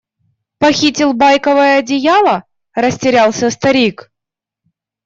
Похитил байковое одеяло? – растерялся старик.